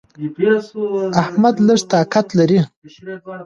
احمد لږ طاقت لري.